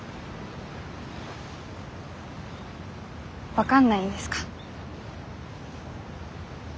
分かんないんですか？